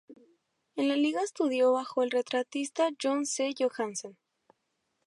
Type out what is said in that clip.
En la Liga estudió bajo el retratista John C. Johansen.